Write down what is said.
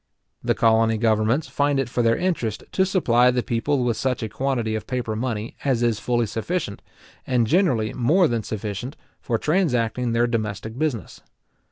The colony governments find it for their interest to supply the people with such a quantity of paper money as is fully sufficient, and generally more than sufficient, for transacting their domestic business.